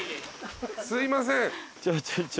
すいません。